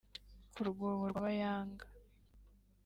Ku rwobo rwa Bayanga